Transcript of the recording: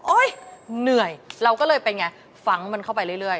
เหนื่อยเราก็เลยเป็นไงฝังมันเข้าไปเรื่อย